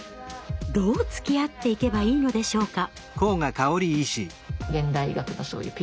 どうつきあっていけばいいのでしょうか？